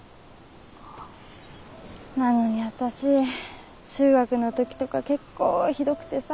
なのに私中学の時とか結構ひどくてさ。